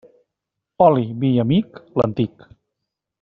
Oli, vi i amic, l'antic.